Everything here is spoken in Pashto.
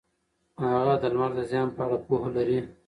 هغه د لمر د زیان په اړه پوهه لري.